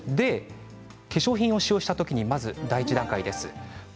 化粧品を使用した時に第一段階です。